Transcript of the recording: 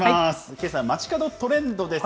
けさは、まちかどトレンドです。